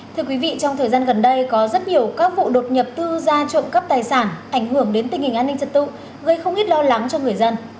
thưa quý vị trong thời gian gần đây có rất nhiều các vụ đột nhập tư gia trộm cắp tài sản ảnh hưởng đến tình hình an ninh trật tự gây không ít lo lắng cho người dân